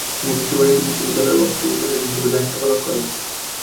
তিনি বিশ্বভারতী বিশ্ববিদ্যালয়ের অস্থায়ী উপাচার্য হিসেবে দায়িত্ব পালন করেন।